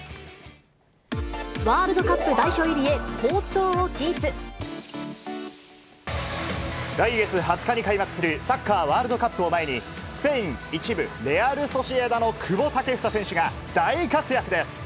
ワールドカップ代表入りへ、来月２０日に開幕するサッカーワールドカップを前に、スペイン１部・レアルソシエダの久保建英選手が大活躍です。